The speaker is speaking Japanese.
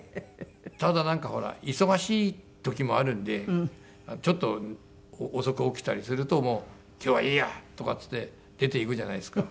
ただなんかほら忙しい時もあるんでちょっと遅く起きたりするともう「今日はいいや！」とかっつって出ていくじゃないですか。